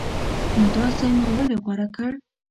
نو دا ځای مو ولې غوره کړ؟